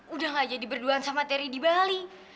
udah gak jadi berduaan sama teri di bali